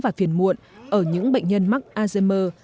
và phiền muộn ở những bệnh nhân mắc alzheimer